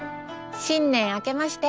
新年あけまして。